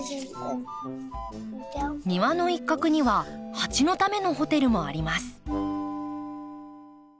庭の一角にはハチのためのホテルもあります。